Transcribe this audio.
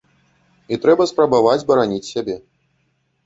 І трэба спрабаваць бараніць сябе.